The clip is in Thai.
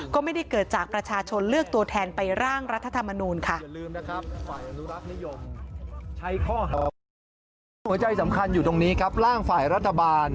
ก็ไม่ได้เกิดจากประชาชนเลือกตัวแทนไปร่างรัฐธรรมนูลค่ะ